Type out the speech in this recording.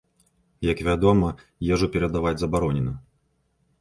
Як вядома, ежу перадаваць забаронена.